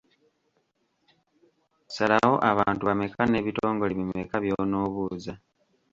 Salawo abantu bameka n’ebitongole bimeka by’onoobuuza.